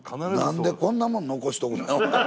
何でこんなもん残しとくねん。